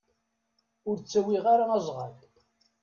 Ur ttawiɣ ara azɣal.